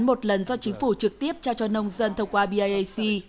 một lần do chính phủ trực tiếp trao cho nông dân thông qua bac